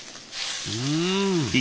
うん。